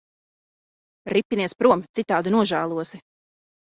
Ripinies prom, citādi nožēlosi.